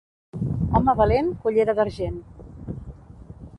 Home valent, cullera d'argent.